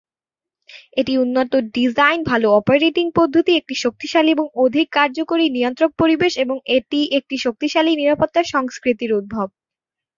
এটি উন্নত ডিজাইন, ভাল অপারেটিং পদ্ধতি, একটি শক্তিশালী এবং অধিক কার্যকরী নিয়ন্ত্রক পরিবেশ এবং এটি একটি শক্তিশালী নিরাপত্তা সংস্কৃতির উদ্ভব।